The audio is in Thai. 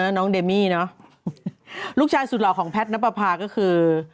เนอะน้องเดมี่เนอะลูกชายสุดเหล่าของพัดนับภาคก็คือ